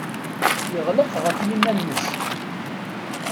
Yeɣleq ɣef yiman-nnes.